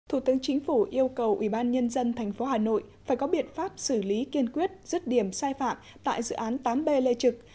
thủ tướng chính phủ yêu cầu ubnd tp hà nội phải có biện pháp xử lý kiên quyết rứt điểm sai phạm tại dự án tám b lê trực